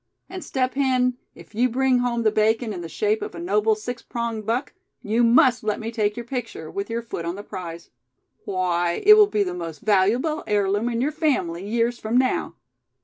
And Step Hen, if you bring home the bacon in the shape of a noble six pronged buck, you must let me take your picture, with your foot on the prize. Why, it will be the most valuable heirloom in your family, years from now.